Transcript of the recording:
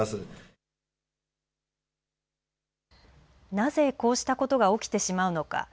なぜ、こうしたことが起きてしまうのか。